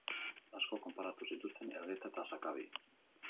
Askok konparatu zituzten Elgeta eta Sakabi.